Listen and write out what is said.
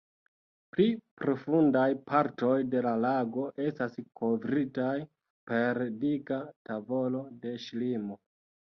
Pli profundaj partoj de la lago estas kovritaj per dika tavolo de ŝlimo.